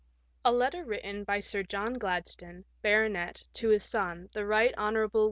A letter written by Sir John Gladstone, Bart., to his son, the. Bight Hon. W.